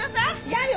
嫌よ！